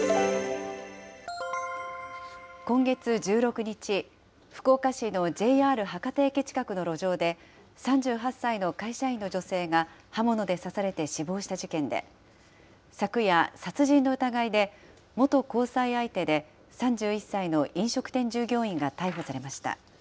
今月１６日、福岡市のＪＲ博多駅近くの路上で、３８歳の会社員の女性が刃物で刺されて死亡した事件で、昨夜、殺人の疑いで、元交際相手で３１歳の飲食店従業員が逮捕されました。